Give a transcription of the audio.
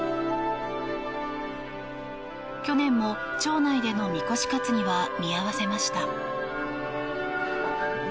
去年も町内でのみこし担ぎは見合わせました。